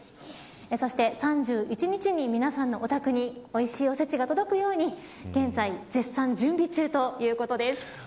そして３１日に皆さんのお宅においしいおせちが届くように現在、絶賛準備中ということです。